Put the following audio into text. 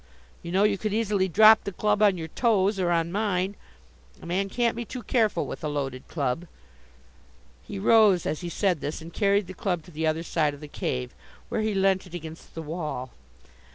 You know you could easily drop the club on your toes, or on mine. A man can't be too careful with a loaded club." He rose as he said this and carried the club to the other side of the cave, where he leant it against the wall.